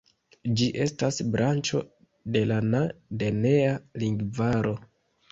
Ĝi estas branĉo de la Na-denea lingvaro.